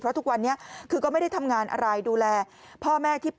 เพราะทุกวันนี้ก็ไม่ได้ทำงานอะไร